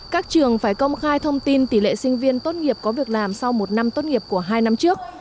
các trường phải công khai thông tin tỷ lệ sinh viên tốt nghiệp có việc làm sau một năm tốt nghiệp của hai năm trước